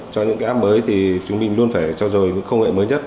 cho những cái app mới thì chúng mình luôn phải trao dồi những công nghệ mới nhất